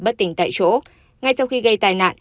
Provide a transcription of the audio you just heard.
bất tỉnh tại chỗ ngay sau khi gây tai nạn